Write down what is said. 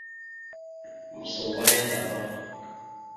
Maɓəsa uvah ya tapa.